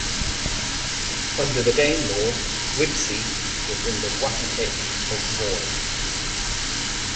Under the Danelaw Wibsey was in the wapentake of Morley.